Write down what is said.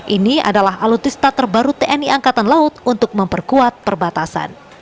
ini adalah alutsista terbaru tni angkatan laut untuk memperkuat perbatasan